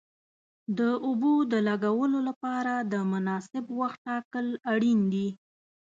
د اوبو د لګولو لپاره د مناسب وخت ټاکل اړین دي.